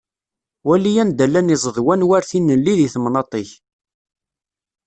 Wali anda llan izeḍwan war tinelli di temnaṭ-ik.